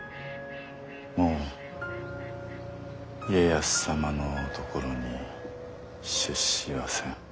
もう家康様のところに出仕はせん。